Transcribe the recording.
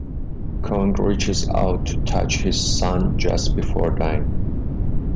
Kong reaches out to touch his son just before dying.